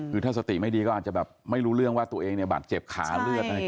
คือถ้าสติไม่ดีก็อาจจะแบบไม่รู้เรื่องว่าตัวเองเนี่ยบาดเจ็บขาเลือดอะไร